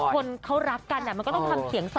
คนเขารักกันมันก็ต้องทำเสียงสองเสียงสาม